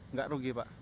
nggak rugi pak